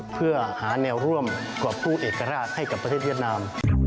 เพื่อหาแนวร่วมกว่าผู้เอกราชให้กับประเทศเวียดนาม